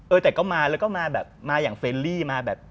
เออแต่ก็มาแล้วก็มาแบบมาอย่างเฟรลี่มาแบบ